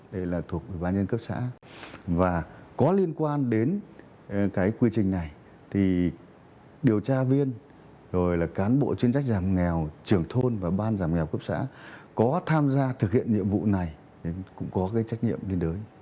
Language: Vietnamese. đây là thuộc ủy ban nhân cấp xã và có liên quan đến cái quy trình này thì điều tra viên rồi là cán bộ chuyên trách giảm nghèo trưởng thôn và ban giảm nghèo cấp xã có tham gia thực hiện nhiệm vụ này cũng có cái trách nhiệm liên đới